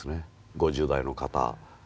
５０代の方